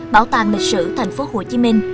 bảo tàng lịch sử thành phố hồ chí minh